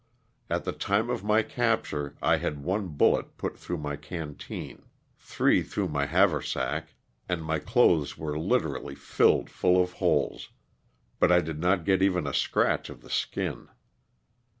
'' At the time of my capture I had one bullet put through my canteen, three through my haversack, and my clothes were literally filled full of holes, but I did not get even a scratch of the skin.